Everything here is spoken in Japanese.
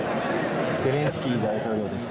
ゼレンスキー大統領です。